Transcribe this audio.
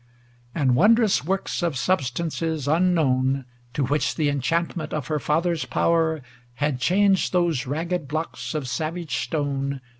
XX And wondrous works of substances un known, To which the enchantment of her father's power Had changed those ragged blocks of savage stone.